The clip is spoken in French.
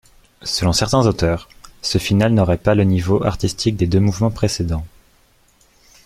Selon certains auteurs, ce finale n'aurait pas le niveau artistique des deux mouvements précédents.